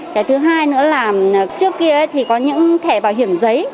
cái thứ hai nữa là trước kia thì có những thẻ bảo hiểm giấy